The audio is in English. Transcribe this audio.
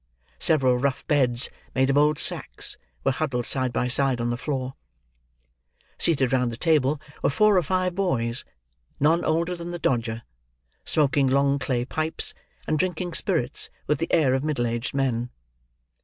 Several rough beds made of old sacks, were huddled side by side on the floor. Seated round the table were four or five boys, none older than the Dodger, smoking long clay pipes, and drinking spirits with the air of middle aged men.